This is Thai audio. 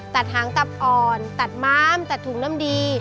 หางตับอ่อนตัดม้ามตัดถุงน้ำดี